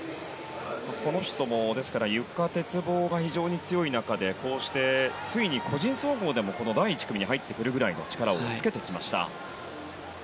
この人も、ゆか、鉄棒が非常に強い中でこうして、ついに個人総合でも第１組に入ってくるぐらいの力をつけてきました。